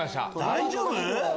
大丈夫？